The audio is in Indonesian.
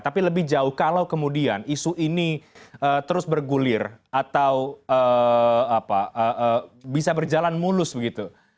tapi lebih jauh kalau kemudian isu ini terus bergulir atau bisa berjalan mulus begitu